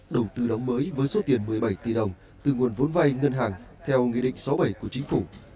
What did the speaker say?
đầu tư đóng mới với số tiền một mươi bảy tỷ đồng từ nguồn vốn vai ngân hàng theo nghị định sáu mươi bảy của chính phủ